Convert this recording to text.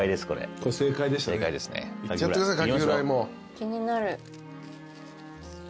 気になる。